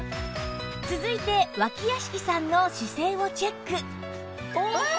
続いて脇屋敷さんの姿勢をチェックわあ！